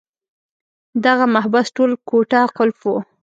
دغه محبس ټول کوټه قلف وو.